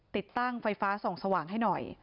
ติดตั้งไฟฟ้าส่องสว่างให้หน่อย